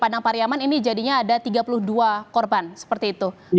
padang pariaman ini jadinya ada tiga puluh dua korban seperti itu